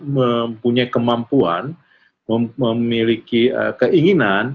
mempunyai kemampuan memiliki keinginan